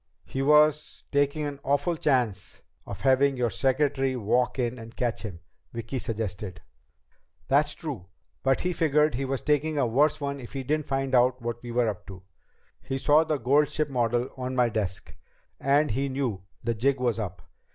"He was taking an awful chance of having your secretary walk in and catch him," Vicki suggested. "That's true. But he figured he was taking a worse one if he didn't find out what we were up to. He saw the gold ship model on my desk, and he knew the jig was up.